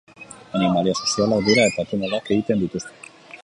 Animalia sozialak dira eta tunelak egiten dituzte.